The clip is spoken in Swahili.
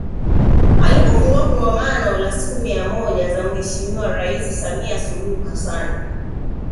Alipofungua Kongamano la siku mia moja za Mheshimiwa Rais Samia Suluhu Hassan